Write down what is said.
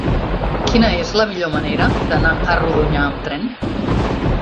Quina és la millor manera d'anar a Rodonyà amb tren?